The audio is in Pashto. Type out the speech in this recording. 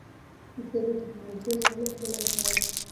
زه د ټکنالوژۍ سم استعمال کوم.